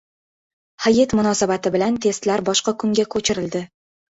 Hayit munosabati bilan testlar boshqa kunga ko‘chirildi